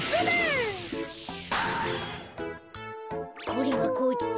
これはこっち。